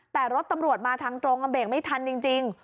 แต่รถตำรวจมาทางตรงเบรกไม่ทันจริง